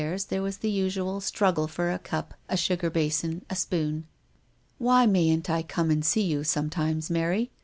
291 There was the usual struggle for a cup, a sugar basin, a spoon. " Why mayn't I come and see you some times, Mary?"